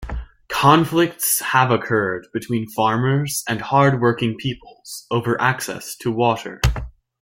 Conflicts have occurred between farmers and hardworking peoples over access to water.